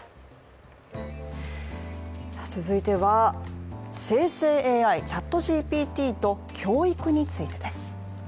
続いては、生成ＡＩ、ＣｈａｔＧＰＴと教育についてです。